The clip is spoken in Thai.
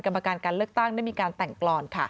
กรรมการการเลือกตั้งได้มีการแต่งกรอน